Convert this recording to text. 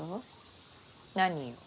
何よ？